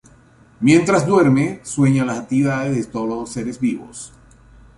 Mientras duerme, sueña las actividades de todos los seres vivos.